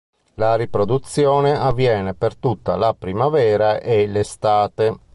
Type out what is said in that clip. La riproduzione avviene per tutta la primavera e l'estate.